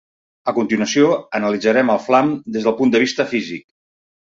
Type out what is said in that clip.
A continuació analitzarem el flam des d'un punt de vista físic.